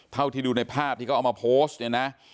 เท่าที่ดูในภาพที่เขาเอามาโพสต์เนี่ยนะ